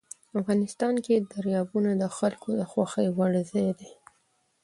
افغانستان کې دریابونه د خلکو د خوښې وړ ځای دی.